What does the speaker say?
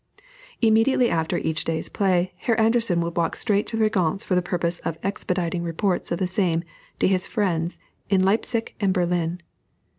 Immediately after each day's play, Herr Anderssen would walk straight to the Régence for the purpose of expediting reports of the same to his friends in Leipsic and Berlin.